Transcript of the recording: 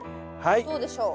どうでしょう？